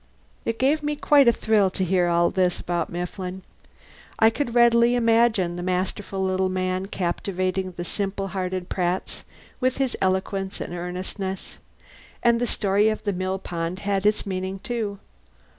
It gave me quite a thrill to hear all this about Mifflin. I could readily imagine the masterful little man captivating the simple hearted Pratts with his eloquence and earnestness. And the story of the mill pond had its meaning, too.